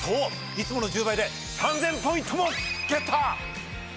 いつもの１０倍で３，０００ポイントもゲット！